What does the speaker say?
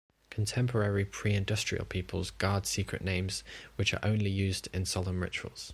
Contemporary pre-industrial peoples guard secret names which are only used in solemn rituals.